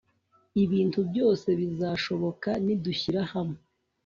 ibintu byose bizashoboka nidushyira hamwe